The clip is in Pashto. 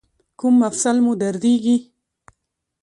کوم مفصل مو دردیږي؟